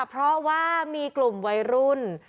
เพราะว่ามีกลุ่มวัยรุ่น